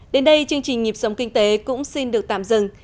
đến đây chương trình nhịp sống kinh tế cũng xin được tạm dừng